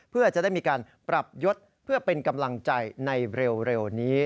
เพื่อจะได้มีการปรับยศเพื่อเป็นกำลังใจในเร็วนี้